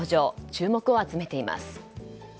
注目を集めています。